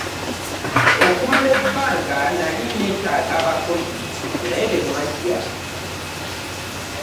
Okumala ebbanga nnali nneetaaga abakozi naye temwajja.